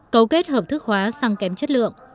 cấu kết hợp thức hóa xăng kém chất lượng